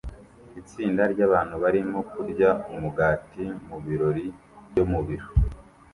Itsinda ryabantu barimo kurya umugati mubirori byo mu biro